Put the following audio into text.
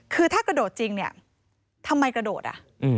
คือถ้ากระโดดจริงเนี่ยทำไมกระโดดอ่ะ